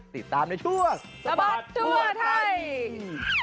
ติดตามในชั่วสบัดทั่วไทย